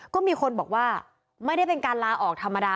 ก็มีคนบอกว่าไม่ได้เป็นการลาออกธรรมดา